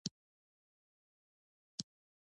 کندهار د احمد شاه بابا کور دی